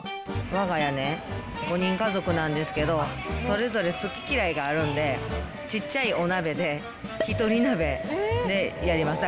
わが家ね、５人家族なんですけど、それぞれ好き嫌いがあるんで、小っちゃいお鍋で１人鍋ましたやります。